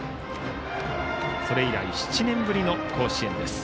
それ以来７年ぶりの甲子園です。